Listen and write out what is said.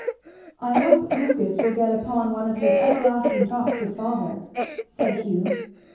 "I hope Lucas will get upon one of his everlasting talks with father," said Hugh.